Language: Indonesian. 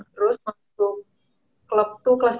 terus masuk club tuh kelas tiga sd